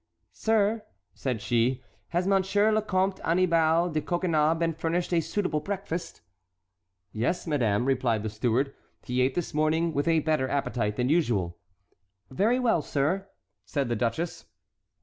"Sir," said she, "has Monsieur le Comte Annibal de Coconnas been furnished a suitable breakfast?" "Yes, madame," replied the steward, "he ate this morning with a better appetite than usual." "Very well, sir," said the duchess.